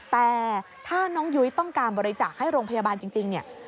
แต่ถ้าน้องยุ้ยต้องการบริจาคให้โรงพยาบาลจริงเนี่ย